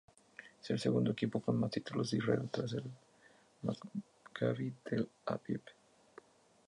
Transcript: Es el segundo equipo con más títulos de Israel, tras el Maccabi Tel Aviv.